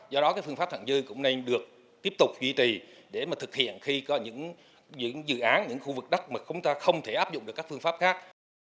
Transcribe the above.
do đó phương pháp thẳng dư cũng nên được tiếp tục duy trì để mà thực hiện khi có những dự án những khu vực đất mà chúng ta không thể áp dụng được các phương pháp khác